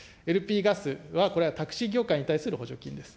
ＬＰガスはこれはタクシー業界に対する補助金です。